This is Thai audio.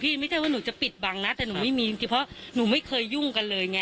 ไม่ใช่ว่าหนูจะปิดบังนะแต่หนูไม่มีจริงเพราะหนูไม่เคยยุ่งกันเลยไง